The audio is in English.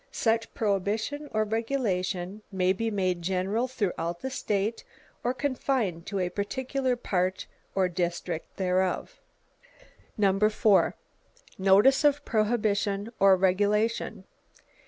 Such prohibition or regulation may be made general throughout the state or confined to a particular part or district thereof. 4. Notice of prohibition or regulation.